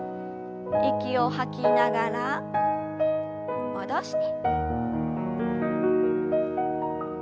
息を吐きながら戻して。